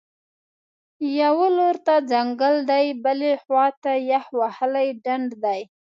یوه لور ته ځنګل دی، بلې خوا ته یخ وهلی ډنډ دی